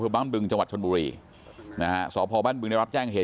บ้านบึงจังหวัดชนบุรีนะฮะสพบ้านบึงได้รับแจ้งเหตุ